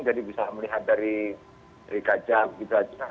jadi bisa melihat dari kajak di kanteng batis